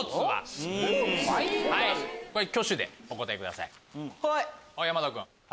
はい！